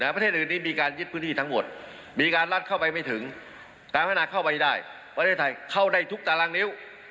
วันนี้ก็ยังเคลื่อนไหวเป็นปกติ